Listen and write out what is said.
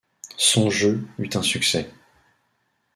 Son jeu est un succès.